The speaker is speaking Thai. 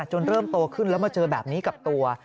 จนเริ่มโตขึ้นแล้วมาเจอแบบนี้กับตัว